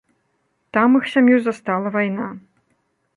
Там іх сям'ю і застала вайна.